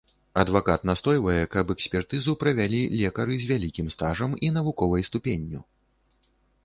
Адвакат настойвае, каб экспертызу правялі лекары з вялікім стажам і навуковай ступенню.